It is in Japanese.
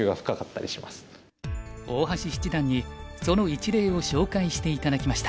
大橋七段にその一例を紹介して頂きました。